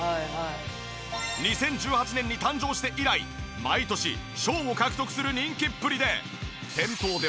２０１８年に誕生して以来毎年賞を獲得する人気っぷりで。